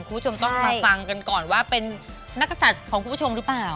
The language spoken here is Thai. คุณผู้ชมต้องมาฟังกันก่อนว่าเป็นนักศัตริย์ของคุณผู้ชมหรือเปล่า